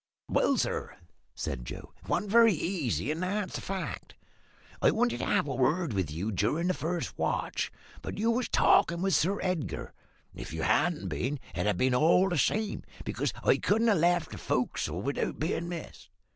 "Well, sir," said Joe, "it wasn't very easy, and that's a fact. I wanted to have a word with you durin' the first watch, but you was talking with Sir Edgar; and, if you hadn't been, it'd ha' been all the same, because I couldn't ha' left the forecastle without bein' missed.